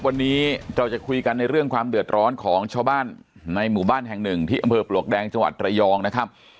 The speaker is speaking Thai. วันนี้เราจะคุยกันในเรื่องความเดือดร้อนของชาวบ้านในหมู่บ้านแห่งหนึ่งที่อำเภอปลวกแดงจังหวัดระยองนะครับ